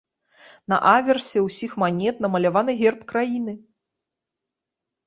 На аверсе ўсіх манет намаляваны герб краіны.